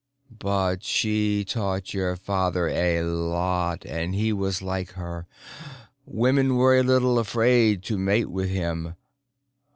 But she taught your father a lot, and he was like her. Women were a little afraid to mate with him.